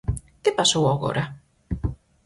Que pasou agora?